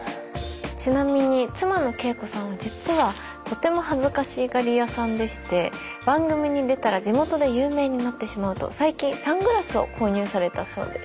ちなみに妻の敬子さんは実はとても恥ずかしがり屋さんでして番組に出たら地元で有名になってしまうと最近サングラスを購入されたそうです。